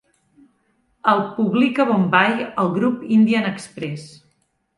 El publica a Bombai el grup Indian Express.